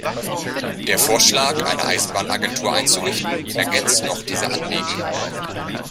Der Vorschlag, eine Eisenbahnagentur einzurichten, ergänzt noch diese Anliegen.